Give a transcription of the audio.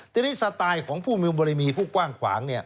ทีนี้สไตล์ของผู้มีบริมีผู้กว้างขวาง